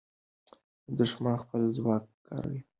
دښمن خپل ځواک کارولی دی.